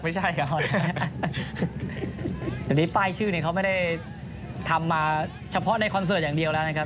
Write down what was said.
ไม่ใช่ครับแต่นี่ป้ายชื่อเนี่ยเขาไม่ได้ทำมาเฉพาะในคอนเสิร์ตอย่างเดียวแล้วนะครับ